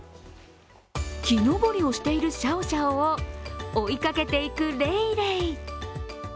木登りをしているシャオシャオを追いかけていくレイレイ。